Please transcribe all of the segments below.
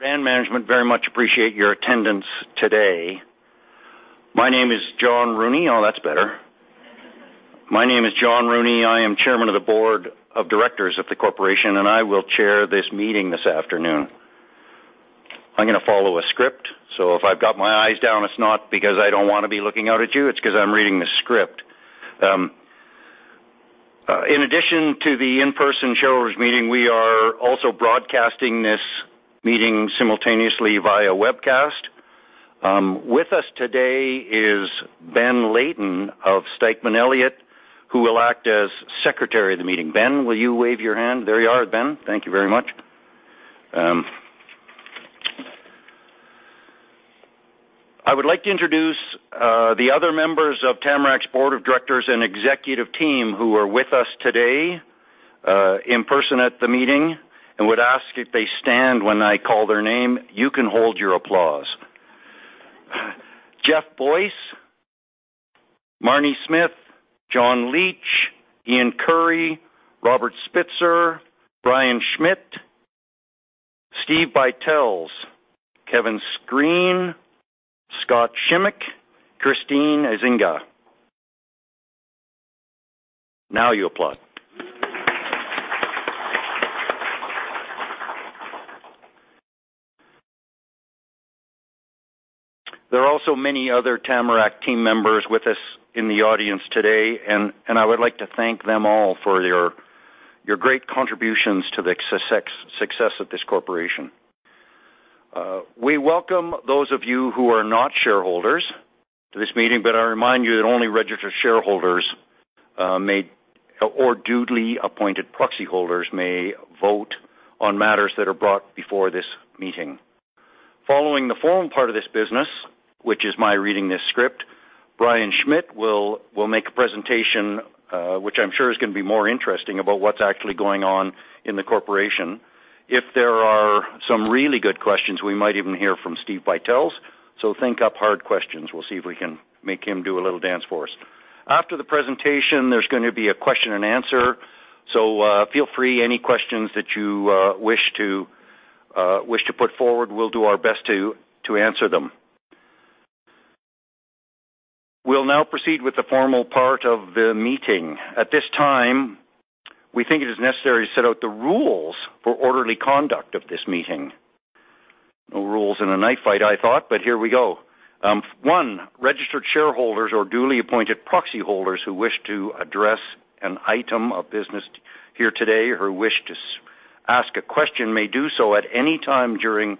The board and management very much appreciate your attendance today. My name is Jim Rooney. I am Chairman of the Board of Directors of the Corporation, and I will chair this meeting this afternoon. I'm gonna follow a script, so if I've got my eyes down, it's not because I don't wanna be looking out at you, it's 'cause I'm reading the script. In addition to the in-person shareholders meeting, we are also broadcasting this meeting simultaneously via webcast. With us today is Ben Lytle of Stikeman Elliott, who will act as secretary of the meeting. Ben, will you wave your hand? There you are, Ben. Thank you very much. I would like to introduce, the other members of Tamarack's Board of Directors and executive team who are with us today, in person at the meeting, and would ask if they stand when I call their name. You can hold your applause. Jeff Boyce, Marnie Smith, John Leach, Ian Currie, Robert Spitzer, Brian Schmidt, Steve Buytels, Kevin Screen, Scott Shymoniak, Christina Ezinga. Now you applaud. There are also many other Tamarack team members with us in the audience today, and I would like to thank them all for your great contributions to the success of this corporation. We welcome those of you who are not shareholders to this meeting, but I remind you that only registered shareholders or duly appointed proxy holders may vote on matters that are brought before this meeting. Following the forum part of this business, which is my reading this script, Brian Schmidt will make a presentation, which I'm sure is gonna be more interesting about what's actually going on in the corporation. If there are some really good questions, we might even hear from Steve Buytels, so think up hard questions. We'll see if we can make him do a little dance for us. After the presentation, there's gonna be a question and answer. Feel free. Any questions that you wish to put forward, we'll do our best to answer them. We'll now proceed with the formal part of the meeting. At this time, we think it is necessary to set out the rules for orderly conduct of this meeting. No rules in a knife fight, I thought, but here we go. Registered shareholders or duly appointed proxy holders who wish to address an item of business here today or wish to ask a question may do so at any time during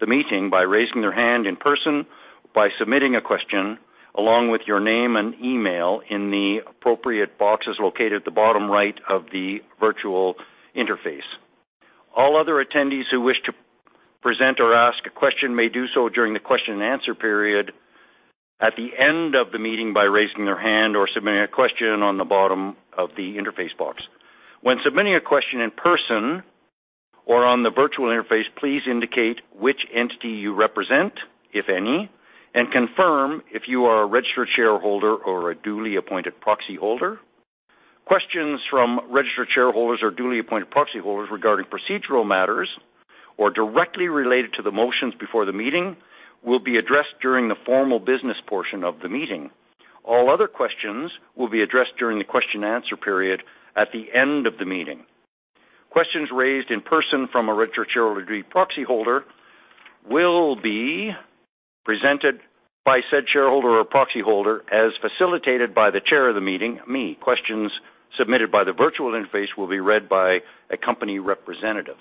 the meeting by raising their hand in person, by submitting a question along with your name and email in the appropriate boxes located at the bottom right of the virtual interface. All other attendees who wish to present or ask a question may do so during the question and answer period at the end of the meeting by raising their hand or submitting a question on the bottom of the interface box. When submitting a question in person or on the virtual interface, please indicate which entity you represent, if any, and confirm if you are a registered shareholder or a duly appointed proxy holder. Questions from registered shareholders or duly appointed proxy holders regarding procedural matters or directly related to the motions before the meeting will be addressed during the formal business portion of the meeting. All other questions will be addressed during the question and answer period at the end of the meeting. Questions raised in person from a registered shareholder or proxy holder will be presented by said shareholder or proxy holder as facilitated by the chair of the meeting, me. Questions submitted by the virtual interface will be read by a company representative.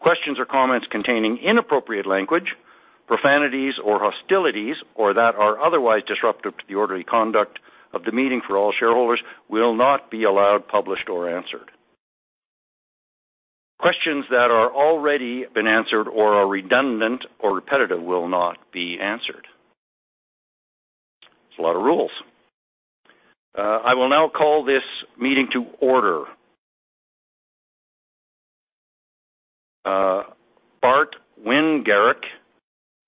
Questions or comments containing inappropriate language, profanities, or hostilities, or that are otherwise disruptive to the orderly conduct of the meeting for all shareholders will not be allowed, published or answered. Questions that are already been answered or are redundant or repetitive will not be answered. It's a lot of rules. I will now call this meeting to order. Bart Wingerak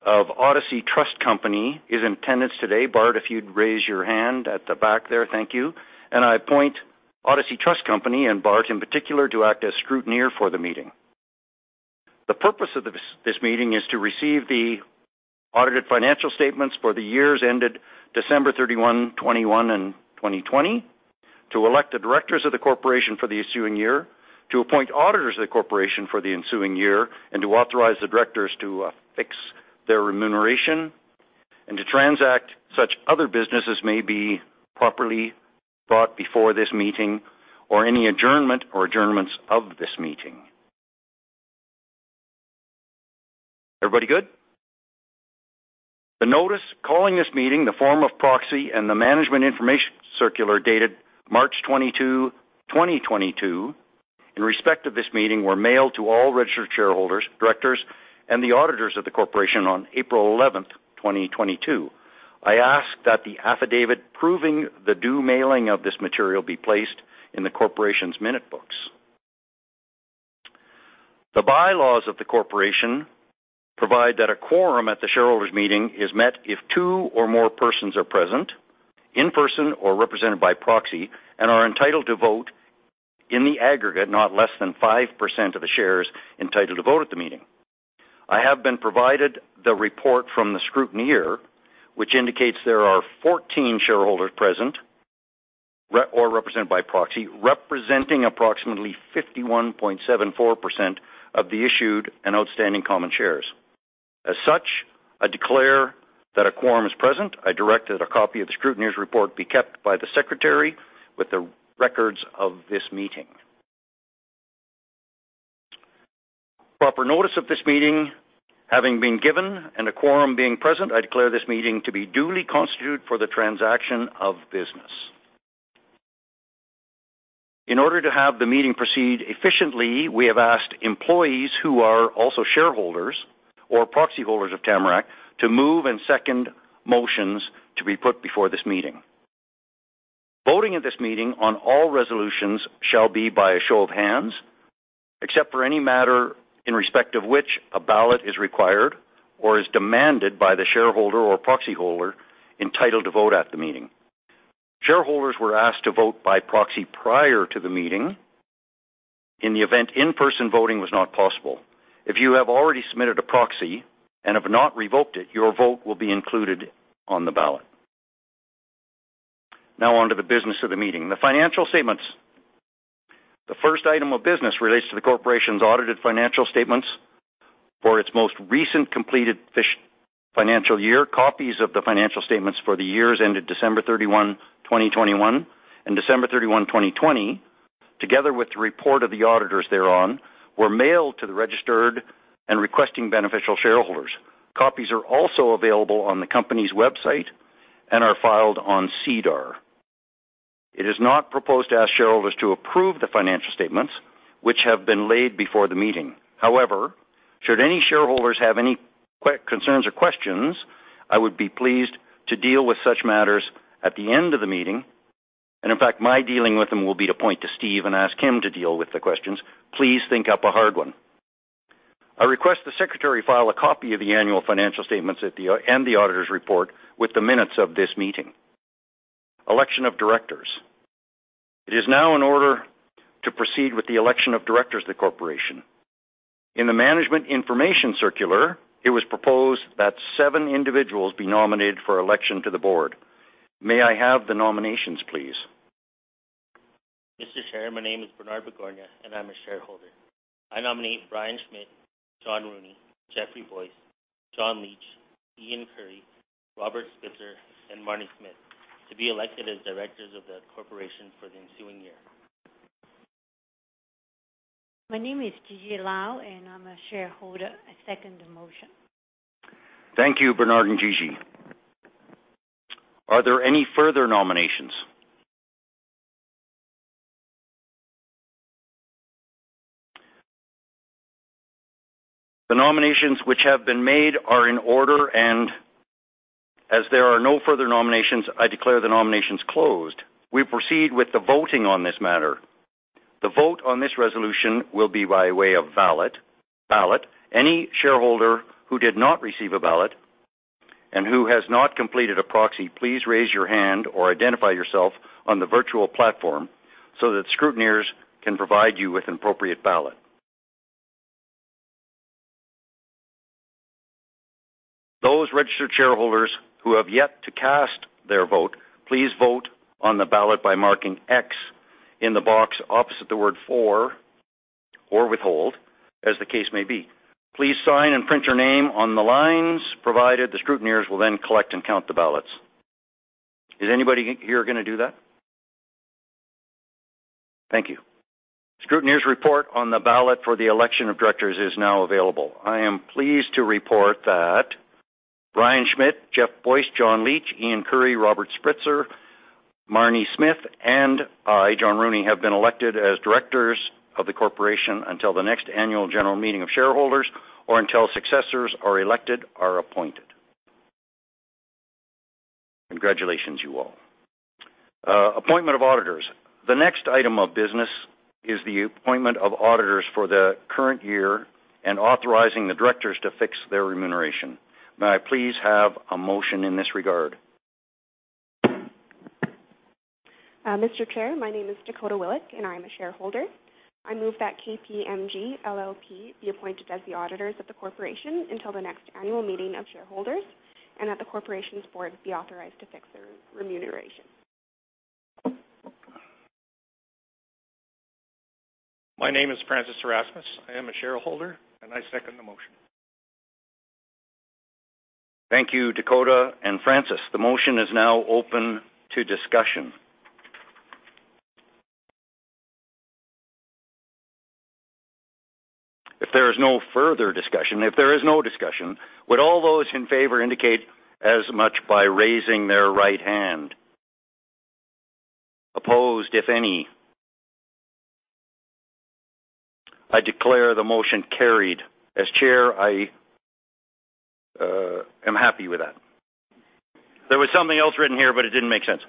of Odyssey Trust Company is in attendance today. Bart, if you'd raise your hand at the back there. Thank you. I appoint Odyssey Trust Company and Bart in particular to act as scrutineer for the meeting. The purpose of this meeting is to receive the audited financial statements for the years ended December 31, 2021 and 2020, to elect the directors of the corporation for the ensuing year, to appoint auditors of the corporation for the ensuing year, and to authorize the directors to fix their remuneration, and to transact such other business as may be properly brought before this meeting, or any adjournment or adjournments of this meeting. Everybody good? The notice calling this meeting, the form of proxy and the management information circular dated March 22, 2022 in respect of this meeting were mailed to all registered shareholders, directors and the auditors of the corporation on April 11, 2022. I ask that the affidavit proving the due mailing of this material be placed in the corporation's minute books. The bylaws of the corporation provide that a quorum at the shareholders' meeting is met if two or more persons are present, in person or represented by proxy, and are entitled to vote in the aggregate, not less than 5% of the shares entitled to vote at the meeting. I have been provided the report from the scrutineer, which indicates there are 14 shareholders present or represented by proxy, representing approximately 51.74% of the issued and outstanding common shares. As such, I declare that a quorum is present. I direct that a copy of the scrutineer's report be kept by the secretary with the records of this meeting. Proper notice of this meeting having been given and a quorum being present, I declare this meeting to be duly constituted for the transaction of business. In order to have the meeting proceed efficiently, we have asked employees who are also shareholders or proxy holders of Tamarack to move and second motions to be put before this meeting. Voting at this meeting on all resolutions shall be by a show of hands, except for any matter in respect of which a ballot is required or is demanded by the shareholder or proxy holder entitled to vote at the meeting. Shareholders were asked to vote by proxy prior to the meeting in the event in-person voting was not possible. If you have already submitted a proxy and have not revoked it, your vote will be included on the ballot. Now on to the business of the meeting. The financial statements. The first item of business relates to the corporation's audited financial statements for its most recent completed financial year. Copies of the financial statements for the years ended December 31, 2021 and December 31, 2020, together with the report of the auditors thereon, were mailed to the registered and requesting beneficial shareholders. Copies are also available on the company's website and are filed on SEDAR. It is not proposed to ask shareholders to approve the financial statements which have been laid before the meeting. However, should any shareholders have any concerns or questions, I would be pleased to deal with such matters at the end of the meeting. In fact, my dealing with them will be to point to Steve and ask him to deal with the questions. Please think up a hard one. I request the secretary file a copy of the annual financial statements and the auditor's report with the minutes of this meeting. Election of directors. It is now in order to proceed with the election of directors of the corporation. In the management information circular, it was proposed that seven individuals be nominated for election to the board. May I have the nominations, please? Mr. Chair, my name is Bernard Bagornia, and I'm a shareholder. I nominate Brian Schmidt, Jim Rooney, Jeffrey Boyce, John Leach, Ian Currie, Robert Spitzer, and Marnie Smith to be elected as directors of the corporation for the ensuing year. My name is Gigi Lau, and I'm a shareholder. I second the motion. Thank you, Bernard and Gigi. Are there any further nominations? The nominations which have been made are in order, and as there are no further nominations, I declare the nominations closed. We proceed with the voting on this matter. The vote on this resolution will be by way of ballot. Any shareholder who did not receive a ballot and who has not completed a proxy, please raise your hand or identify yourself on the virtual platform so that scrutineers can provide you with an appropriate ballot. Those registered shareholders who have yet to cast their vote, please vote on the ballot by marking X in the box opposite the word for or withhold, as the case may be. Please sign and print your name on the lines provided. The scrutineers will then collect and count the ballots. Is anybody here gonna do that? Thank you. Scrutineers report on the ballot for the election of directors is now available. I am pleased to report that Brian Schmidt, Jeff Boyce, John Leach, Ian Currie, Robert Spitzer, Marnie Smith, and I, Jim Rooney, have been elected as directors of the corporation until the next annual general meeting of shareholders or until successors are elected or appointed. Congratulations, you all. Appointment of auditors. The next item of business is the appointment of auditors for the current year and authorizing the directors to fix their remuneration. May I please have a motion in this regard? Mr. Chair, my name is Dakota Willick, and I'm a shareholder. I move that KPMG LLP be appointed as the auditors of the corporation until the next annual meeting of shareholders and that the corporation's board be authorized to fix their remuneration. My name is Francis Erasmus. I am a shareholder, and I second the motion. Thank you, Dakota and Francis. The motion is now open to discussion. If there is no discussion, would all those in favor indicate as much by raising their right hand? Opposed, if any? I declare the motion carried. As chair, I am happy with that. There was something else written here, but it didn't make sense.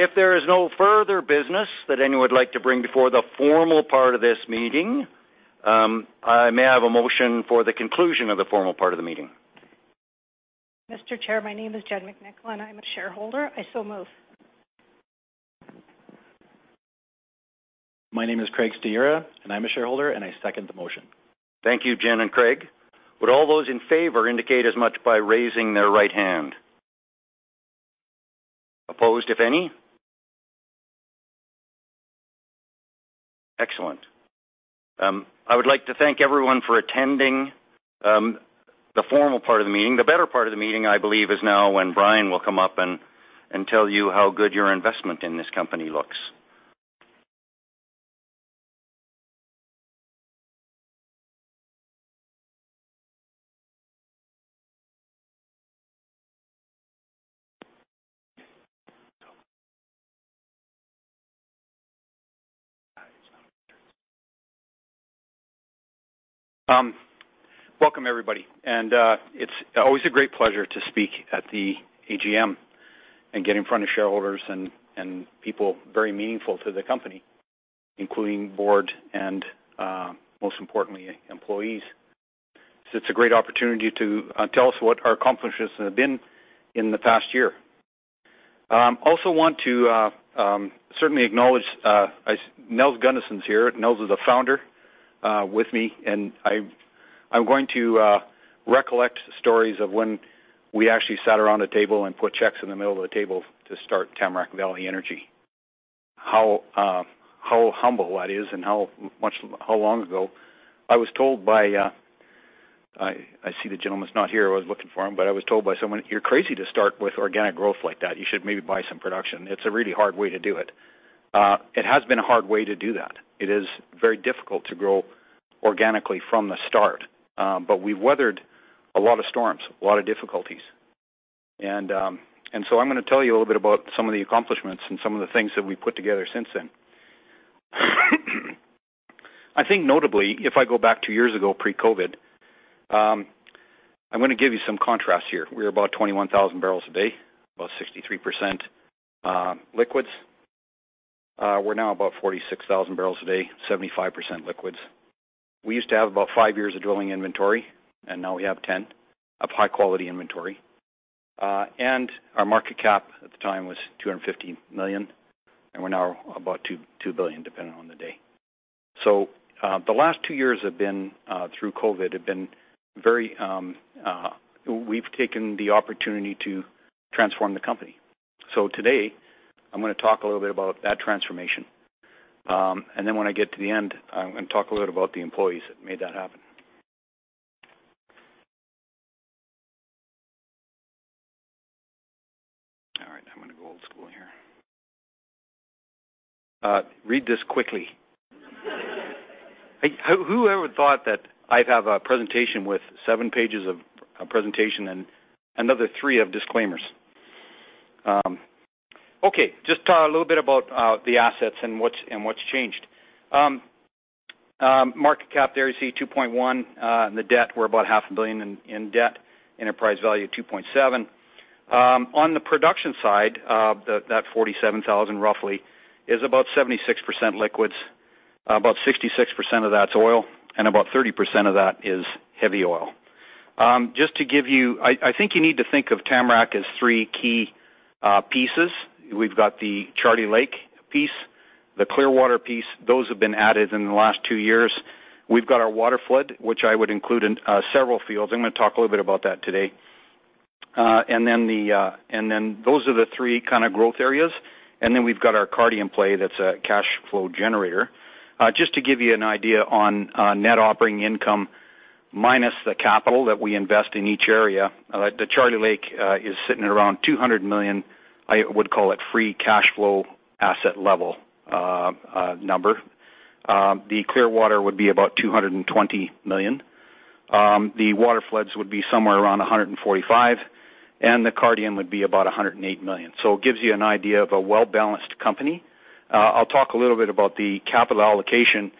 If there is no further business that anyone would like to bring before the formal part of this meeting, I may have a motion for the conclusion of the formal part of the meeting. Mr. Chair, my name is Jen McNichol, and I'm a shareholder. I so move. My name is Craig Stiera, and I'm a shareholder, and I second the motion. Thank you, Jen and Craig. Would all those in favor indicate as much by raising their right hand? Opposed, if any? Excellent. I would like to thank everyone for attending the formal part of the meeting. The better part of the meeting, I believe, is now when Brian will come up and tell you how good your investment in this company looks. Welcome, everybody. It's always a great pleasure to speak at the AGM and get in front of shareholders and people very meaningful to the company, including board and most importantly, employees. It's a great opportunity to tell us what our accomplishments have been in the past year. Also want to certainly acknowledge Nels Gunderson is here. Nels is a founder with me, and I'm going to recollect stories of when we actually sat around a table and put checks in the middle of the table to start Tamarack Valley Energy, how humble that is and how long ago. I see the gentleman's not here. I was looking for him, but I was told by someone, "You're crazy to start with organic growth like that. You should maybe buy some production. It's a really hard way to do it." It has been a hard way to do that. It is very difficult to grow organically from the start, but we've weathered a lot of storms, a lot of difficulties. I'm gonna tell you a little bit about some of the accomplishments and some of the things that we put together since then. I think notably, if I go back two years ago, pre-COVID, I'm gonna give you some contrast here. We're about 21,000 barrels a day, about 63% liquids. We're now about 46,000 barrels a day, 75% liquids. We used to have about five years of drilling inventory, and now we have 10 of high-quality inventory. Our market cap at the time was 250 million, and we're now about 2 billion, depending on the day. The last two years have been through COVID very. We've taken the opportunity to transform the company. Today, I'm gonna talk a little bit about that transformation. Then when I get to the end, I'm gonna talk a little bit about the employees that made that happen. All right, I'm gonna go old school here. Read this quickly. Who ever thought that I'd have a presentation with seven pages of a presentation and another three of disclaimers? Just a little bit about the assets and what's changed. Market cap there, you see 2.1. The debt, we're about half a billion CAD in debt. Enterprise value, 2.7 billion. On the production side, that 47,000 roughly is about 76% liquids, about 66% of that's oil, and about 30% of that is heavy oil. Just to give you, I think you need to think of Tamarack as three key pieces. We've got the Charlie Lake piece, the Clearwater piece. Those have been added in the last two years. We've got our waterflood, which I would include in several fields. I'm gonna talk a little bit about that today. Those are the three kind of growth areas. We've got our Cardium play, that's a cash flow generator. Just to give you an idea on net operating income minus the capital that we invest in each area, the Charlie Lake is sitting at around 200 million, I would call it, free cash flow asset level number. The Clearwater would be about 220 million. The Waterfloods would be somewhere around 145 million, and the Cardium would be about 108 million. It gives you an idea of a well-balanced company. I'll talk a little bit about the capital allocation,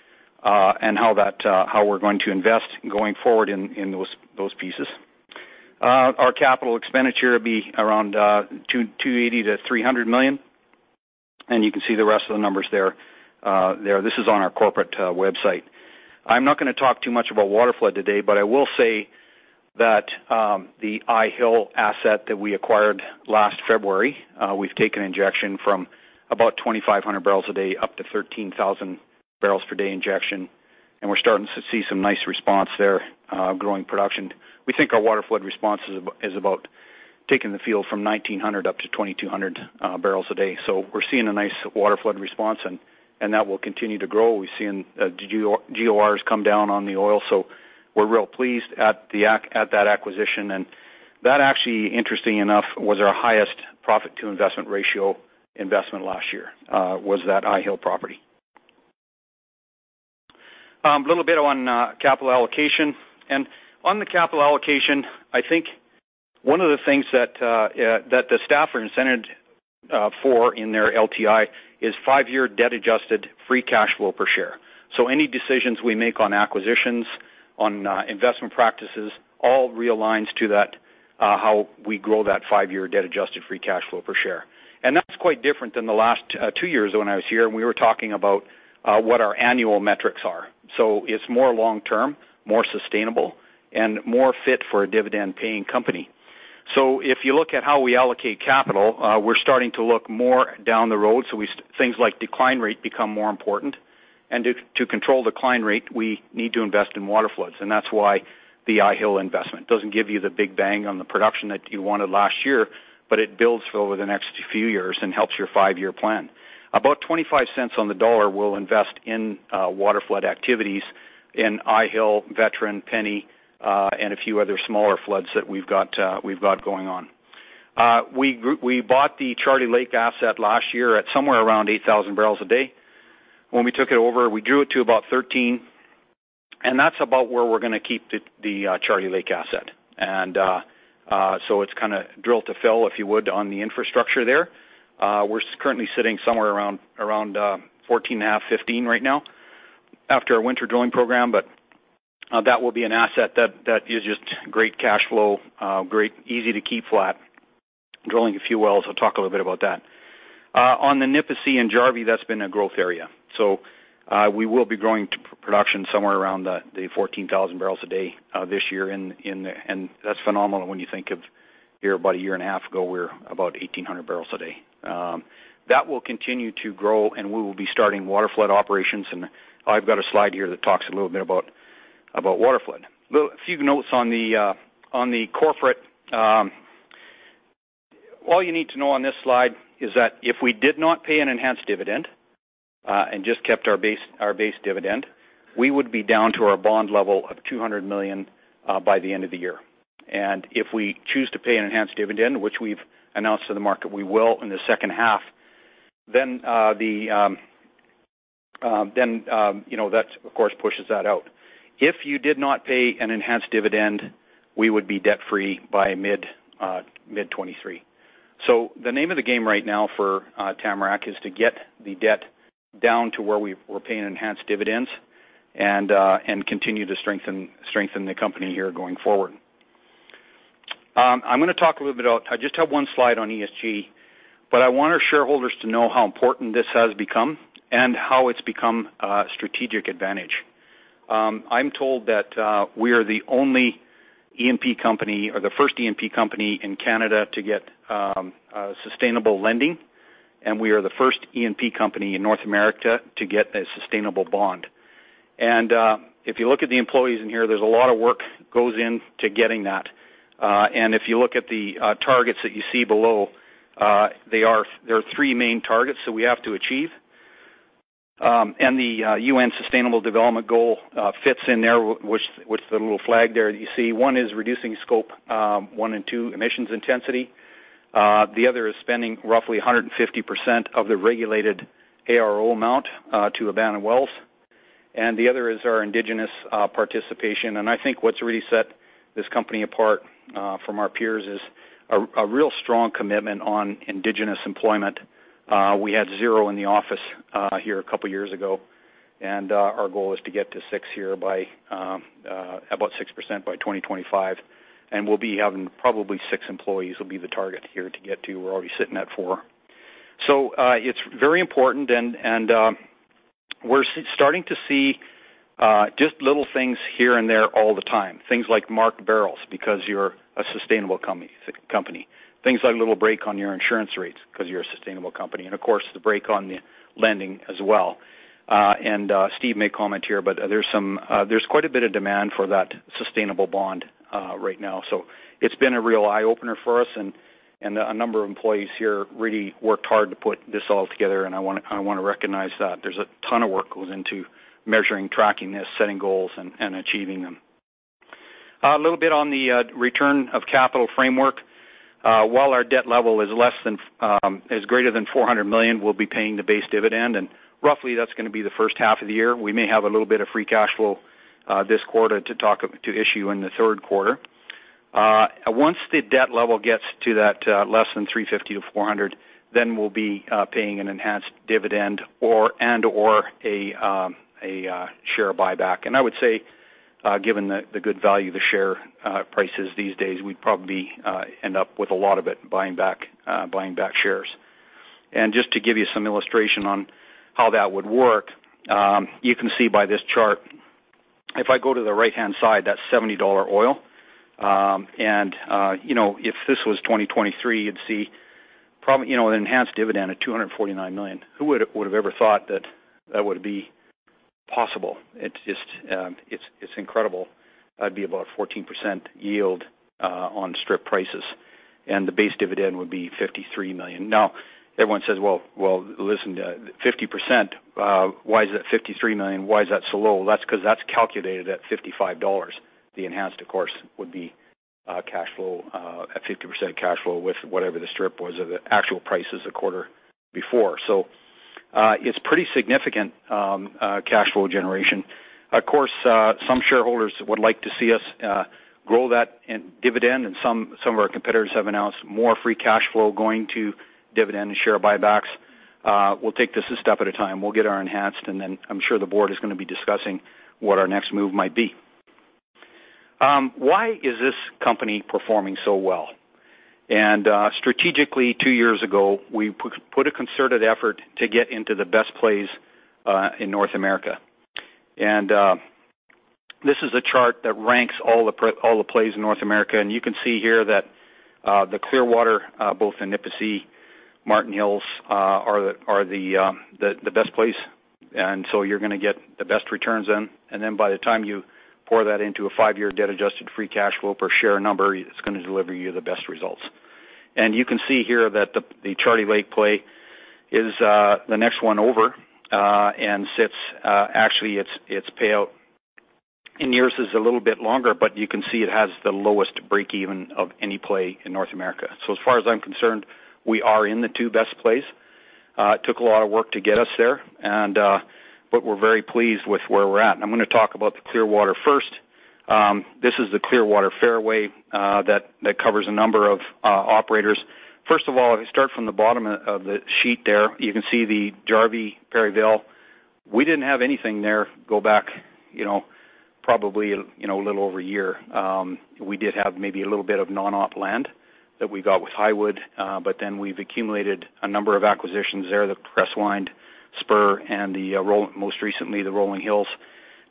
and how we're going to invest going forward in those pieces. Our capital expenditure will be around 280 to 300 million, and you can see the rest of the numbers there. This is on our corporate website. I'm not gonna talk too much about waterflood today, but I will say that the Eyehill asset that we acquired last February, we've taken injection from about 2,500 barrels a day up to 13,000 barrels per day injection, and we're starting to see some nice response there, growing production. We think our waterflood response is about taking the field from 1,900 up to 2,200 barrels a day. We're seeing a nice waterflood response, and that will continue to grow. We're seeing GORs come down on the oil. We're real pleased at that acquisition. That actually, interestingly enough, was our highest profit to investment ratio investment last year, was that Eyehill property. A little bit on capital allocation. On the capital allocation, I think one of the things that the staff are incented for in their LTI is five-year debt-adjusted free cash flow per share. Any decisions we make on acquisitions, on investment practices, all realigns to that, how we grow that five-year debt-adjusted free cash flow per share. That's quite different than the last two years when I was here, and we were talking about what our annual metrics are. It's more long-term, more sustainable, and more fit for a dividend-paying company. If you look at how we allocate capital, we're starting to look more down the road. Things like decline rate become more important. To control decline rate, we need to invest in waterfloods. That's why the Eyehill investment doesn't give you the big bang on the production that you wanted last year, but it builds over the next few years and helps your five-year plan. About $0.25 on the dollar, we'll invest in waterflood activities in Eyehill, Veteran, Penny, and a few other smaller floods that we've got going on. We bought the Charlie Lake asset last year at somewhere around 8,000 barrels a day. When we took it over, we grew it to about 13, and that's about where we're gonna keep the Charlie Lake asset. So it's kinda drill to fill, if you would, on the infrastructure there. We're currently sitting somewhere around 14.5, 15 right now after our winter drilling program. That will be an asset that is just great cash flow, great easy to keep flat, drilling a few wells. I'll talk a little bit about that. On the Nipisi and Jarvie, that's been a growth area. We will be growing production somewhere around the 14,000 barrels a day, this year. That's phenomenal when you think of here about a year and a half ago, we were about 1,800 barrels a day. That will continue to grow, and we will be starting waterflood operations. I've got a slide here that talks a little bit about waterflood. A few notes on the corporate. All you need to know on this slide is that if we did not pay an enhanced dividend and just kept our base dividend, we would be down to our bond level of 200 million by the end of the year. If we choose to pay an enhanced dividend, which we've announced to the market, we will in the second half, then you know, that, of course, pushes that out. If you did not pay an enhanced dividend, we would be debt-free by mid-2023. The name of the game right now for Tamarack is to get the debt down to where we're paying enhanced dividends and continue to strengthen the company here going forward. I'm gonna talk a little bit about. I just have one slide on ESG, but I want our shareholders to know how important this has become and how it's become a strategic advantage. I'm told that we are the only E&P company or the first E&P company in Canada to get sustainable lending, and we are the first E&P company in North America to get a sustainable bond. If you look at the employees in here, there's a lot of work goes into getting that. If you look at the targets that you see below, there are three main targets that we have to achieve. The UN Sustainable Development Goal fits in there, which the little flag there that you see. One is reducing Scope 1 and 2 emissions intensity. The other is spending roughly 150% of the regulated ARO amount to abandon wells, and the other is our Indigenous participation. I think what's really set this company apart from our peers is a real strong commitment on Indigenous employment. We had zero in the office here a couple years ago, and our goal is to get to six here by about 6% by 2025. We'll be having probably six employees will be the target here to get to. We're already sitting at four. It's very important, and we're starting to see just little things here and there all the time. Things like marked barrels because you're a sustainable company. Things like a little break on your insurance rates because you're a sustainable company. Of course, the break on the lending as well. Steve Buytels may comment here, but there's quite a bit of demand for that sustainable bond right now. It's been a real eye-opener for us and a number of employees here really worked hard to put this all together, and I wanna recognize that. There's a ton of work goes into measuring, tracking this, setting goals and achieving them. A little bit on the return of capital framework. While our debt level is greater than 400 million, we'll be paying the base dividend. Roughly, that's gonna be the first half of the year. We may have a little bit of free cash flow this quarter to issue in the third quarter. Once the debt level gets to that less than 350-400, then we'll be paying an enhanced dividend or and/or a share buyback. I would say, given the good value of the share prices these days, we'd probably end up with a lot of it buying back shares. Just to give you some illustration on how that would work, you can see by this chart, if I go to the right-hand side, that's $70 oil. You know, if this was 2023, you'd see probably, you know, an enhanced dividend at 249 million. Who would have ever thought that would be possible? It's just incredible. That'd be about 14% yield on strip prices, and the base dividend would be 53 million. Now, everyone says, "Well, listen to 50%, why is it 53 million? Why is that so low?" That's 'cause that's calculated at $55. The enhanced, of course, would be cash flow at 50% cash flow with whatever the strip was of the actual prices a quarter before. It's pretty significant cash flow generation. Of course, some shareholders would like to see us grow that in dividend, and some of our competitors have announced more free cash flow going to dividend and share buybacks. We'll take this a step at a time. We'll get our enhanced, and then I'm sure the board is gonna be discussing what our next move might be. Why is this company performing so well? Strategically, two years ago, we put a concerted effort to get into the best plays in North America. This is a chart that ranks all the plays in North America. You can see here that the Clearwater, both in Nipisi, Marten Hills, are the best plays, so you're gonna get the best returns then. By the time you pour that into a five-year debt adjusted free cash flow per share number, it's gonna deliver you the best results. You can see here that the Charlie Lake play is the next one over and sits actually its payout in years is a little bit longer, but you can see it has the lowest break even of any play in North America. So as far as I'm concerned, we are in the two best plays. It took a lot of work to get us there, and but we're very pleased with where we're at. I'm gonna talk about the Clearwater first. This is the Clearwater fairway that covers a number of operators. First of all, if you start from the bottom of the sheet there, you can see the Jarvie, Perryvale. We didn't have anything there. Go back, you know, probably, you know, a little over a year. We did have maybe a little bit of non-op land that we got with Highwood, but then we've accumulated a number of acquisitions there, the Crestwynd Exploration, Spur, and the, most recently, the Rolling Hills,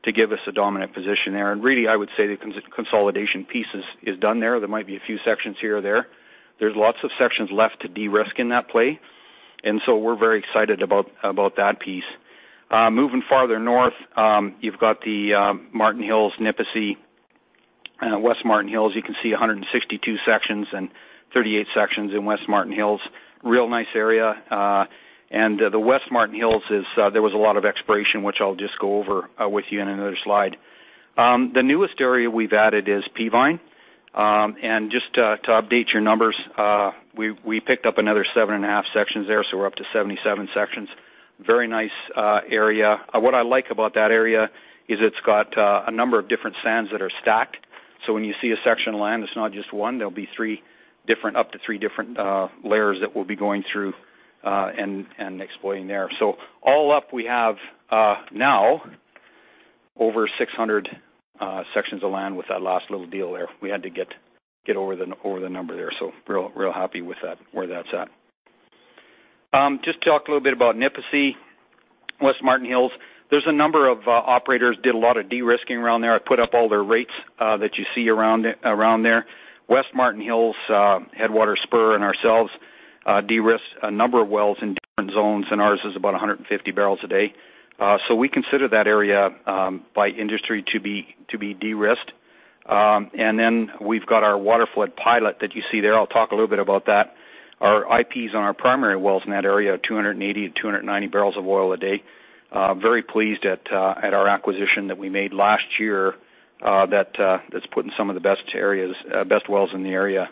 to give us a dominant position there. Really, I would say the consolidation piece is done there. There might be a few sections here or there. There's lots of sections left to de-risk in that play, and so we're very excited about that piece. Moving farther north, you've got the Marten Hills, Nipisi, and West Marten Hills. You can see 162 sections and 38 sections in West Marten Hills. Real nice area. The West Marten Hills is, there was a lot of exploration, which I'll just go over with you in another slide. The newest area we've added is Peavine. Just to update your numbers, we picked up another 7.5 sections there, so we're up to 77 sections. Very nice area. What I like about that area is it's got a number of different sands that are stacked. When you see a section of land, it's not just one, there'll be up to three different layers that we'll be going through and exploring there. All up, we have now over 600 sections of land with that last little deal there. We had to get over the number there, so real happy with that, where that's at. Just talk a little bit about Nipisi, West Marten Hills. There's a number of operators did a lot of de-risking around there. I put up all their rates that you see around there. West Marten Hills, Headwater Exploration, Spur, and ourselves de-risked a number of wells in different zones, and ours is about 150 barrels a day. So we consider that area by industry to be de-risked. Then we've got our waterflood pilot that you see there. I'll talk a little bit about that. Our IPs on our primary wells in that area are 280, 290 barrels of oil a day. Very pleased at our acquisition that we made last year that's putting some of the best wells in the area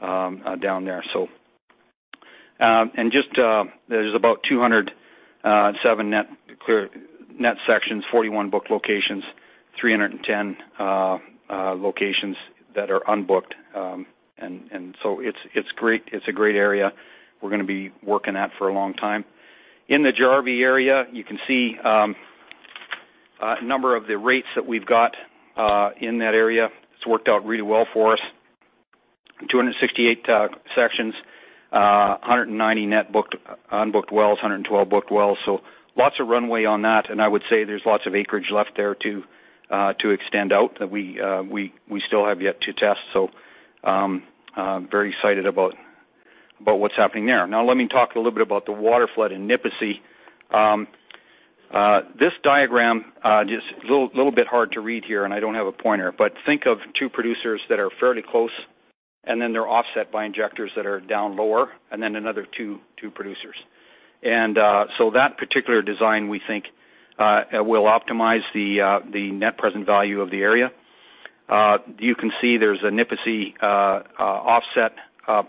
down there. There's about 207 net sections, 41 book locations, 310 locations that are unbooked. It's great. It's a great area we're gonna be working at for a long time. In the Jarvie area, you can see a number of the rates that we've got in that area. It's worked out really well for us. 268 sections, 190 net unbooked wells, 112 booked wells. Lots of runway on that. I would say there's lots of acreage left there to extend out that we still have yet to test. Very excited about what's happening there. Now let me talk a little bit about the waterflood in Nipisi. This diagram just little bit hard to read here, and I don't have a pointer, but think of two producers that are fairly close, and then they're offset by injectors that are down lower, and then another two producers. That particular design, we think, will optimize the net present value of the area. You can see there's a Nipisi offset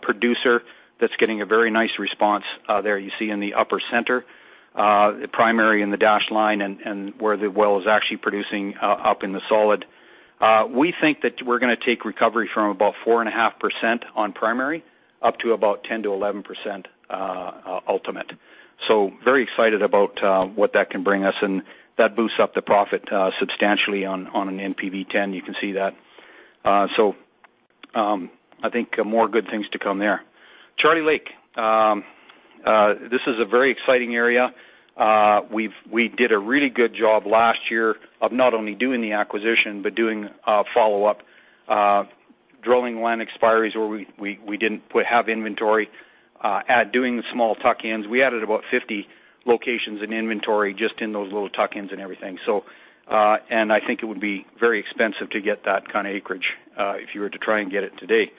producer that's getting a very nice response there. You see in the upper center, the primary in the dashed line and where the well is actually producing up in the solid. We think that we're gonna take recovery from about 4.5% on primary up to about 10%-11% ultimate. Very excited about what that can bring us, and that boosts up the profit substantially on an NPV 10. You can see that. I think more good things to come there. Charlie Lake. This is a very exciting area. We did a really good job last year of not only doing the acquisition but doing follow-up drilling land expiries where we didn't have inventory at doing small tuck-ins. We added about 50 locations in inventory just in those little tuck-ins and everything. I think it would be very expensive to get that kind of acreage if you were to try and get it today.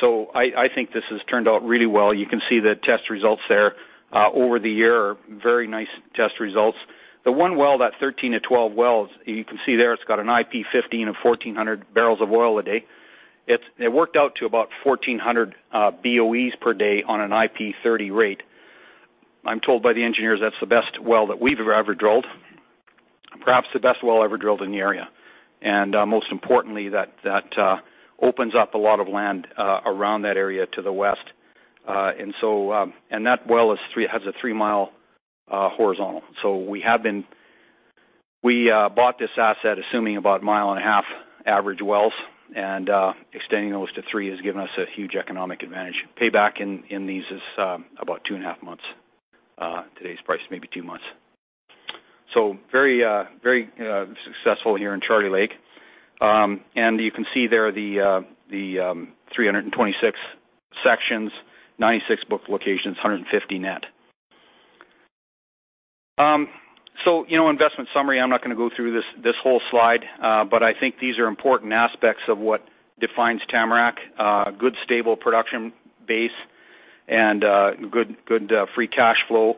I think this has turned out really well. You can see the test results there, over the year are very nice test results. The one well, that 13 and 12 wells, you can see there it's got an IP15 of 1400 barrels of oil a day. It worked out to about 1400 BOEs per day on an IP30 rate. I'm told by the engineers that's the best well that we've ever drilled. Perhaps the best well ever drilled in the area. Most importantly, that opens up a lot of land around that area to the west. That well has a 3-mile horizontal. We bought this asset assuming about a 1.5-mile average wells, and extending those to three has given us a huge economic advantage. Payback in these is about 2.5 months, today's price, maybe two months. Very successful here in Charlie Lake. You can see there the 326 sections, 96 booked locations, 150 net. You know, investment summary, I'm not gonna go through this whole slide, but I think these are important aspects of what defines Tamarack. Good, stable production base and good free cash flow,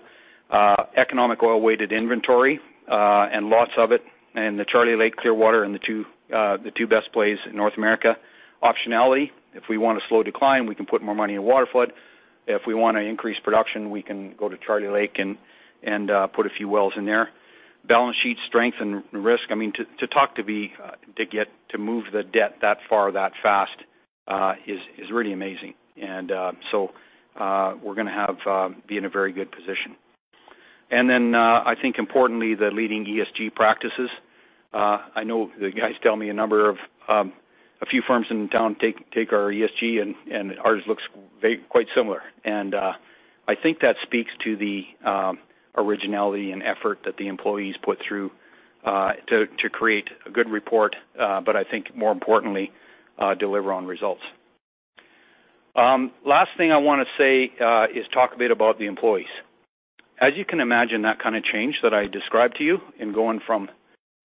economic oil weighted inventory, and lots of it. The Charlie Lake Clearwater and the two best plays in North America. Optionality, if we want a slow decline, we can put more money in waterflood. If we wanna increase production, we can go to Charlie Lake and put a few wells in there. Balance sheet strength and risk to move the debt that far, that fast is really amazing. We're gonna have be in a very good position. I think importantly, the leading ESG practices. I know the guys tell me a number of a few firms in town take our ESG and ours looks very quite similar. I think that speaks to the originality and effort that the employees put through to create a good report, but I think more importantly, deliver on results. Last thing I wanna say is talk a bit about the employees. As you can imagine, that kinda change that I described to you in going from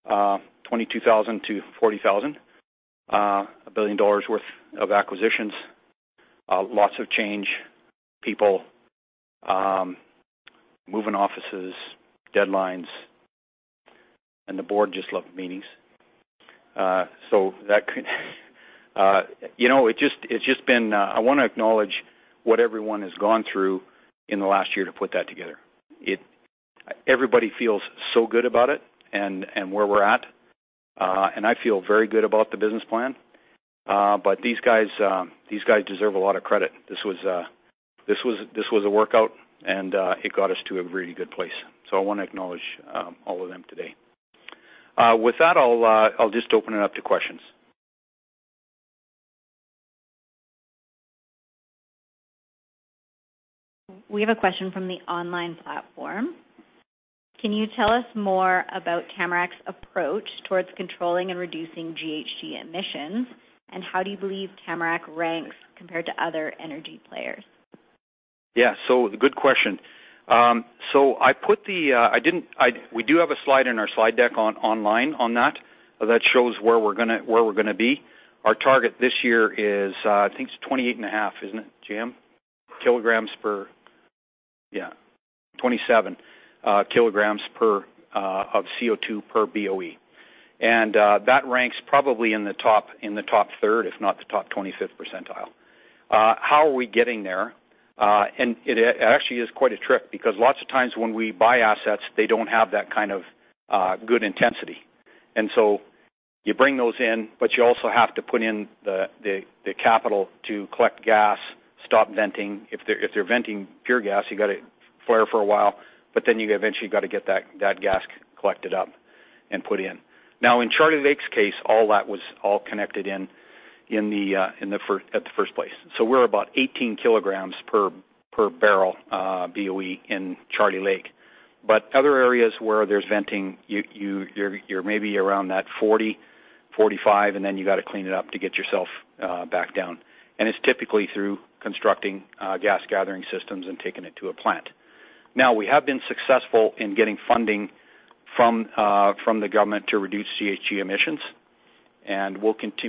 22,000-40,000, 1 billion dollars worth of acquisitions, lots of change, people moving offices, deadlines, and the board just loved meetings. You know, it's just been. I wanna acknowledge what everyone has gone through in the last year to put that together. Everybody feels so good about it and where we're at, and I feel very good about the business plan. But these guys deserve a lot of credit. This was a workout, and it got us to a really good place. I wanna acknowledge all of them today. With that, I'll just open it up to questions. We have a question from the online platform. Can you tell us more about Tamarack's approach towards controlling and reducing GHG emissions? How do you believe Tamarack ranks compared to other energy players? Yeah. Good question. I put the I didn't I. We do have a slide in our slide deck online on that shows where we're gonna be. Our target this year is, I think it's 28.5, isn't it, Jim? Kilograms per. Yeah, 27 kilograms per of CO2 per BOE. That ranks probably in the top, in the top third, if not the top 25th percentile. How are we getting there? It actually is quite a trip because lots of times when we buy assets, they don't have that kind of good intensity. You bring those in, but you also have to put in the capital to collect gas, stop venting. If they're venting pure gas, you gotta flare for a while, but then you eventually gotta get that gas collected up and put in. Now, in Charlie Lake's case, that was connected in at the first place. So we're about 18 kilograms per barrel BOE in Charlie Lake. But other areas where there's venting, you're maybe around that 40-45, and then you gotta clean it up to get yourself back down. It's typically through constructing gas gathering systems and taking it to a plant. Now, we have been successful in getting funding from the government to reduce GHG emissions, and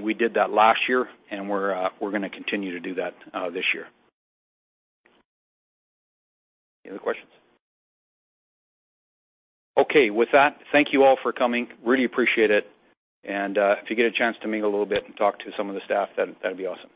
we did that last year, and we're gonna continue to do that this year. Any other questions? Okay. With that, thank you all for coming. Really appreciate it. If you get a chance to mingle a little bit and talk to some of the staff, that'd be awesome.